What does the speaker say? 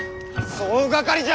総がかりじゃ！